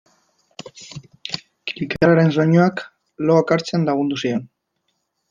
Kilkerraren soinuak loak hartzen lagundu zion.